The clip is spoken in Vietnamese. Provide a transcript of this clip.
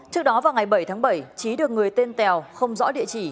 trước đó vào ngày bảy tháng bảy trí được người tên tèo không rõ địa chỉ